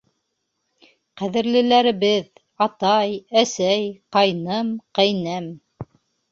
Ҡәҙерлеләребеҙ — атай, әсәй, ҡайным, ҡәйнәм